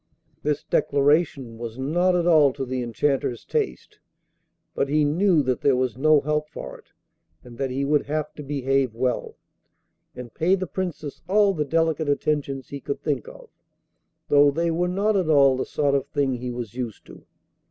This declaration was not at all to the Enchanter's taste; but he knew that there was no help for it, and that he would have to behave well, and pay the Princess all the delicate attentions he could think of; though they were not at all the sort of thing he was used to.